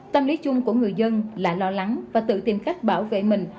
tâm lý chung của người dân là lo lắng và tự tìm cách bảo vệ mình